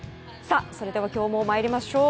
それでは今日も参りましょう。